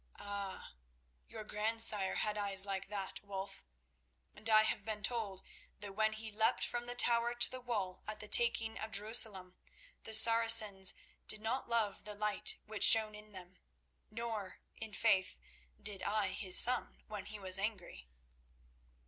Ah! your grandsire had eyes like that, Wulf; and I have been told that when he leapt from the tower to the wall at the taking of Jerusalem, the Saracens did not love the light which shone in them—nor, in faith, did I, his son, when he was angry.